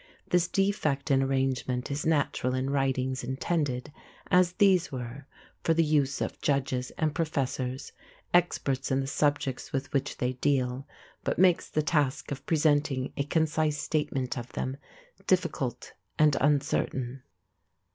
This defect in arrangement is natural in writings intended, as these were, for the use of judges and professors, experts in the subjects with which they deal, but makes the task of presenting a concise statement of them difficult and uncertain.